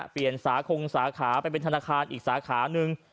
เปลี่ยนสาขงสาขาไปเป็นธนาคารอีกสาขานึง